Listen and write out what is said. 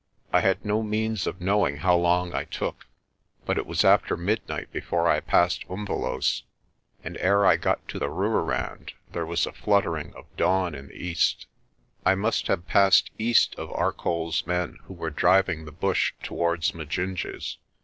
I had no means of knowing how long I took, but it was after midnight before I passed Umvelos', and ere I got to the Rooirand there was a fluttering of dawn in the east. I 234 PRESTER JOHN must have passed east of ArcolPs men, who were driving the bush towards Majinje's.